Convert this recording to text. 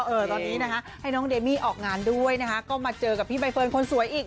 เออตอนนี้นะคะให้น้องเดมี่ออกงานด้วยนะคะก็มาเจอกับพี่ใบเฟิร์นคนสวยอีก